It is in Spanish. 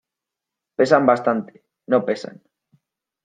pesan bastante. no pesan .